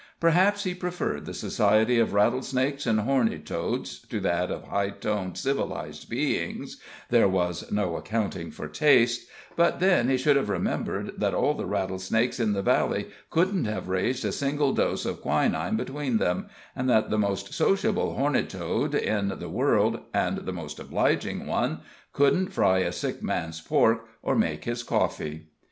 Perhaps he preferred the society of rattlesnakes and horned toads to that of high toned, civilized beings there was no accounting for tastes but then he should have remembered that all the rattlesnakes in the valley couldn't have raised a single dose of quinine between them, and that the most sociable horned toad in the world, and the most obliging one, couldn't fry a sick man's pork, or make his coffee.